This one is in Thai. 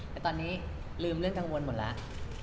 แต่ตอนนี้ลืมเรื่องกังวลหมดแล้ว